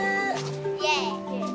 イエイ。